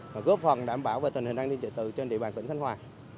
và góp phần đảm bảo về tình hình an ninh trật tự trên địa bàn tỉnh thanh hoa